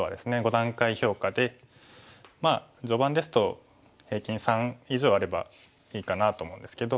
５段階評価で序盤ですと平均３以上あればいいかなと思うんですけど。